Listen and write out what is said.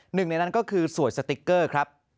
หนึ่งในนั้นก็คือสวยสติ๊กเกอร์ครับ